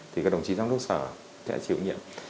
thì các đồng chí giám đốc sở sẽ chịu nhiệm